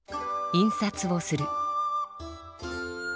印刷をする。